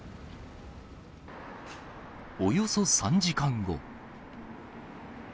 およそ３時間後。